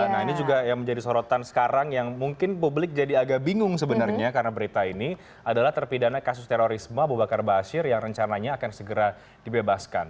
nah ini juga yang menjadi sorotan sekarang yang mungkin publik jadi agak bingung sebenarnya karena berita ini adalah terpidana kasus terorisme abu bakar basir yang rencananya akan segera dibebaskan